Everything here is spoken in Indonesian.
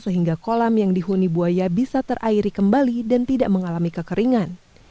sehingga kolam yang dihuni buaya bisa terairi kembali dan tidak mengalami kekeringan